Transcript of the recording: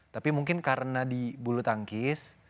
tapi mungkin karena di bulu tangkis